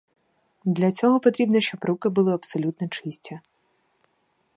Для цього потрібно, щоб руки були абсолютно чисті.